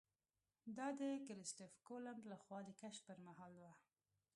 دا د کرسټېف کولمب له خوا د کشف پر مهال وه.